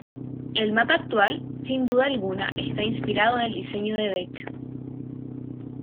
El mapa actual, sin duda alguna, está inspirado en el diseño de Beck.